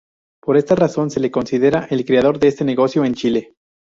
Por esta razón se le considera el creador de este negocio en Chile.